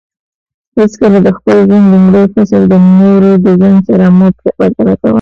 حیڅکله د خپل ژوند لومړی فصل د نورو د ژوند سره مه پرتله کوه